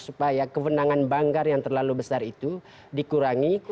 supaya kewenangan banggar yang terlalu besar itu dikurangi